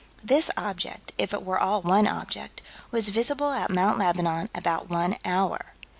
This object, if it were all one object, was visible at Mt. Lebanon about one hour.